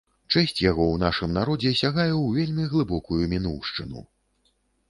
Чэсць яго ў нашым народзе сягае ў вельмі глыбокую мінуўшчыну.